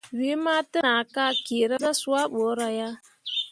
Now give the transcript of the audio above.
Wee ma təʼnah ka kyeera zah swah bəəra ya.